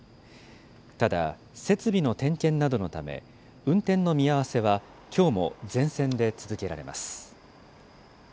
ただ、設備の点検などのため、運転の見合わせはきょうも全線で続けられます。